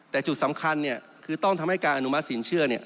แต่จุดสำคัญเนี่ยคือต้องทำให้การอนุมัติสินเชื่อเนี่ย